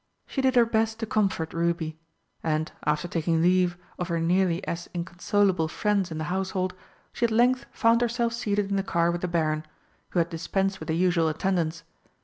She did her best to comfort Ruby, and after taking leave of her nearly as inconsolable friends in the Household, she at length found herself seated in the car with the Baron, who had dispensed with the usual attendants.